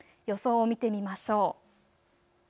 予想を見てみましょう。